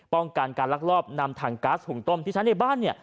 ป้องกันการลักลอบนำถังก๊าซหุงต้มที่ใช้ในบ้าน